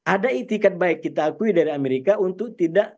ada itikat baik kita akui dari amerika untuk tidak